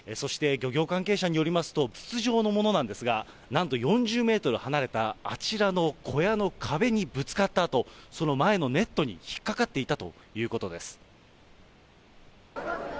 そして漁業関係者によりますと、筒状のものなんですが、なんと４０メートル離れたあちらの小屋の壁にぶつかったあと、その前のネットに引っ掛かっていたということです。